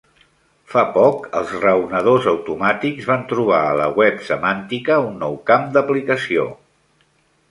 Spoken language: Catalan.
Fa poc els raonadors automàtics van trobar a la web semàntica un nou camp d'aplicació.